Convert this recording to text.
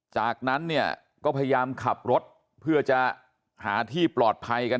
จากนั้นเนี่ยก็พยายามขับรถเพื่อจะหาที่ปลอดภัยกัน